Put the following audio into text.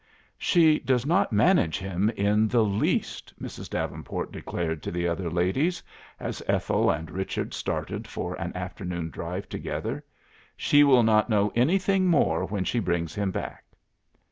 "She does not manage him in the least," Mrs. Davenport declared to the other ladies, as Ethel and Richard started for an afternoon drive together. "She will not know anything more when she brings him back."